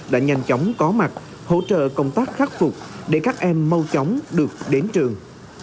đã nhanh chóng có mặt hỗ trợ công tác khắc phục để các em mau chóng được đến trường